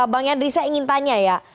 bang yandri saya ingin tanya ya